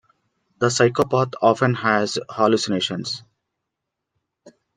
The psychopath often has hallucinations.